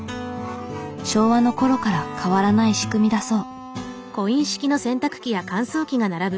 昭和の頃から変わらない仕組みだそう。